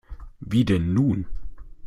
Wie denn nun?